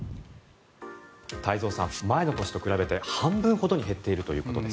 太蔵さん前の年と比べて半分ほどに減っているということです。